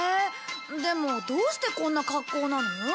でもどうしてこんな格好なの？